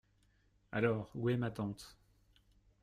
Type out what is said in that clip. Alors, où est ma tante ?